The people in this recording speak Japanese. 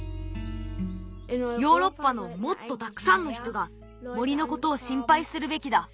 ヨーロッパのもっとたくさんの人が森のことをしんぱいするべきだ。